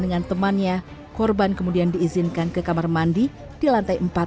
dengan temannya korban kemudian diizinkan ke kamar mandi di lantai empat